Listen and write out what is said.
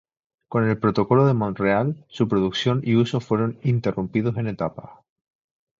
Con el Protocolo de Montreal su producción y uso fueron interrumpidos en etapas.